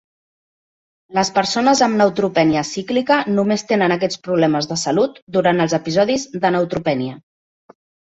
Les persones amb neutropènia cíclica només tenen aquests problemes de salut durant els episodis de neutropènia.